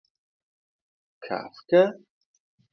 — Kafka!